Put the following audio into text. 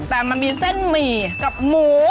แต่มันมีเส้นหมี่กับหมู